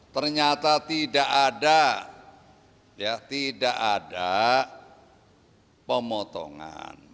ternyata tidak ada pemotongan